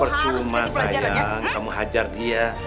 percuma sayang kamu hajar dia